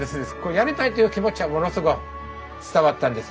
やりたいという気持ちはものすごい伝わったんですよね。